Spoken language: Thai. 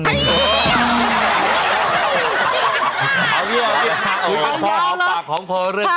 คุยมองเขาเลย